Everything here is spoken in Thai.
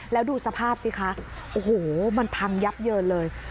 แล้วดูสภาพสิคะโอ้โหมันพังยับเยินเลย